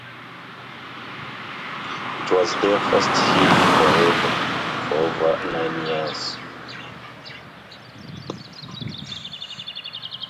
It was their first hit for over nine years.